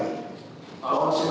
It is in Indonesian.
jadi dimulai tahun sembilan puluh tujuh